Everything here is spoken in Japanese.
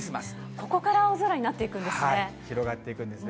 ここから青空になっていくん広がっていくんですね。